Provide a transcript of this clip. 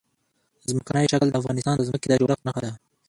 ځمکنی شکل د افغانستان د ځمکې د جوړښت نښه ده.